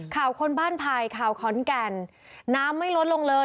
คนบ้านไผ่ข่าวขอนแก่นน้ำไม่ลดลงเลย